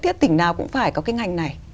tiết tỉnh nào cũng phải có cái ngành này